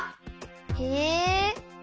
へえ。